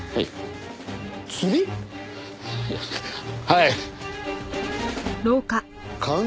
はい。